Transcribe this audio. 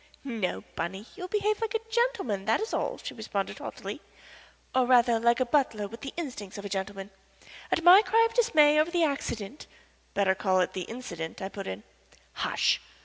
"No, Bunny you will behave like a gentleman, that is all," she responded, haughtily; "or rather like a butler with the instincts of a gentleman. At my cry of dismay over the accident " "Better call it the incident," I put in. "Hush!